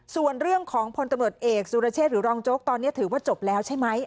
ส่วนเรื่องของพลตำรวจเอกสุรเชษหรือรองโจ๊กตอนนี้ถือว่าจบแล้วใช่ไหม